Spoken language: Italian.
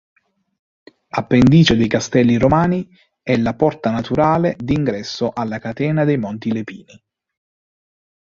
Appendice dei Castelli Romani, è la porta naturale d'ingresso alla catena dei Monti Lepini.